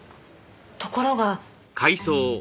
ところが。